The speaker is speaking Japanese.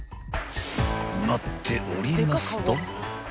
［待っておりますと］